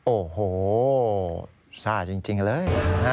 โอ้โฮชาดจริงเลย